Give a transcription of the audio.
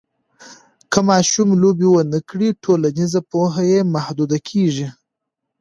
که ماشوم لوبې ونه کړي، ټولنیزه پوهه یې محدوده کېږي.